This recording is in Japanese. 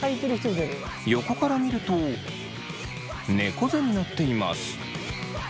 横から見ると猫背になっています。